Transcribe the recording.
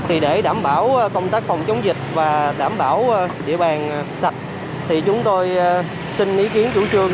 thì để đảm bảo công tác phòng chống dịch và đảm bảo địa bàn sạch thì chúng tôi xin ý kiến chủ trương